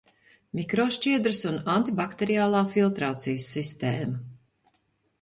Mikrošķiedras un antibakteriālā filtrācijas sistēma